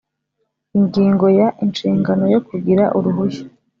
Ingingo ya inshingano yo kugira uruhushya